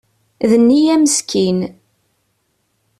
D neyya meskin.